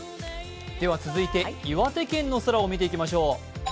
続いて岩手県の空を見ていきましょう。